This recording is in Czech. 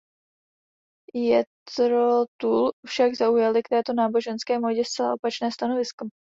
Jethro Tull však zaujali k této náboženské módě zcela opačné stanovisko.